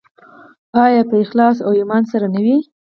آیا په اخلاص او ایمان سره نه وي؟